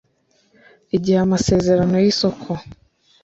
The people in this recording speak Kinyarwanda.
igihe amasezerano y isoko